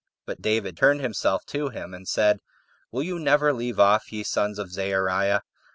But David turned himself to him, and said, "Will you never leave off, ye sons of Zeruiah?